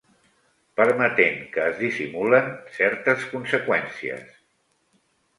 Permetent que es dissimulen certes conseqüències.